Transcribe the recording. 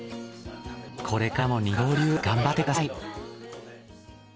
これからも二刀流頑張ってください。